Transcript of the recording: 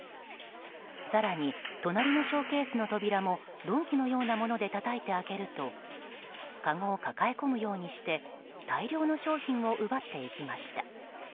更に隣のショーケースの扉も鈍器のようなものでたたいて開けるとかごを抱え込むようにして大量の商品を奪っていきました。